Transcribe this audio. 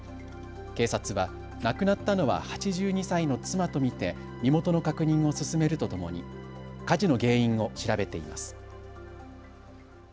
警察は亡くなったのは８２歳の妻と見て身元の確認を進めるとともに火事の原因を調べています。